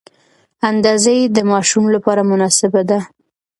اندازه یې د ماشوم لپاره مناسبه ده.